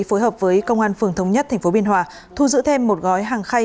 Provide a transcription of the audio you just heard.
phối hợp với công an phường thống nhất tp biên hòa thu giữ thêm một gói hàng khay